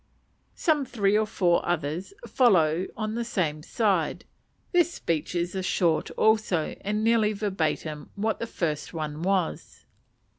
Some three or four others "follow on the same side." Their speeches are short also, and nearly verbatim what the first was.